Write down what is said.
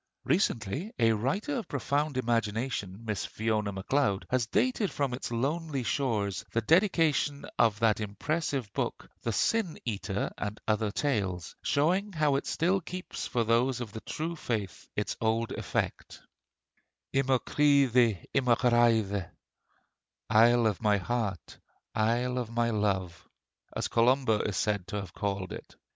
Recently, a writer of profound imagination, Miss Fiona Macleod, has dated from its lonely shores the dedication of that impressive book 'The Sin Eater, and Other Tales,' showing how it still keeps for those of the true faith its old effect: "I mo cridhe, i mo ghraidh," (Isle of my heart, isle of my love,) as Columba is said to have called it.